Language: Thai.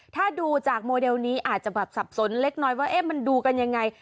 ถ้าดูจากโมเดลนี้อาจจะแบบสับสนเล็กน้อยว่ามันดูกันยังไง